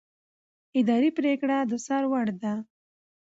اداري پرېکړه د څار وړ ده.